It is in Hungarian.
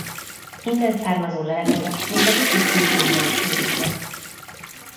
Innen származó leleteket még a British Museumban is őriznek.